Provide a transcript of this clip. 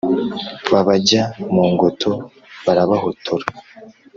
babajya mu ngoto barabahotora